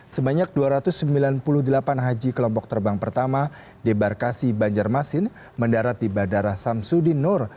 sebanyak dua ratus sembilan puluh delapan haji kelompok terbang pertama debarkasi banjarmasin mendarat di bandara samsudin nur